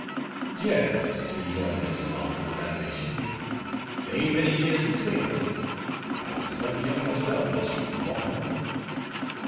"Yas," rejoined Mis' Molly, with animation, "they ain't many years between us. I wuz ruther young myself when she wuz bo'n."